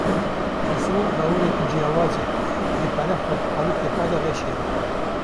Kîso, lawirekî ciyawaz e, dikare xwe di qalikê xwe de veşêre.